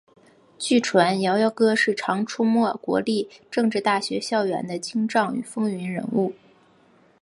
据传摇摇哥是常出没国立政治大学校园的精障与风云人物。